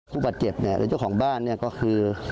ผู้บัดเก็บหรือเจ้าของบ้านก็คือ